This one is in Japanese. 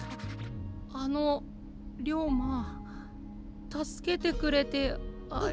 あの龍馬たすけてくれてあり。